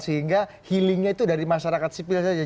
sehingga healingnya itu dari masyarakat sipil saja